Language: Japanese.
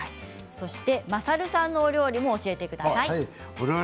まさるさんのお料理も教えてください。